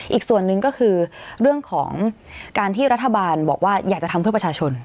อีกส่วนหนึ่งก็คือเรื่องของการที่รัฐบาลบอกว่าอยากจะทำเพื่อประชาชน